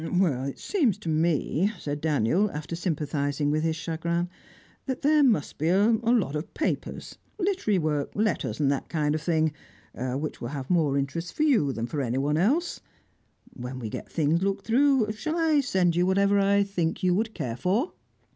"It seems to me," said Daniel, after sympathising with his chagrin, "that there must be a lot of papers, literary work, letters, and that kind of thing, which will have more interest for you than for anyone else. When we get things looked through, shall I send you whatever I think you would care for?"